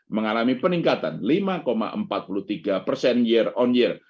mengalami peningkatan lima empat puluh tiga persen year on year